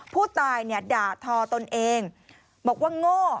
ผู้ตายด่าทอตนเองบอกว่าโง่